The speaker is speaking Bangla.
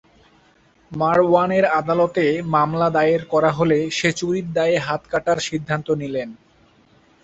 মারওয়ানের আদালতে মামলা দায়ের করা হলে, সে চুরির দায়ে হাত কাটার সিদ্ধান্ত নিলেন।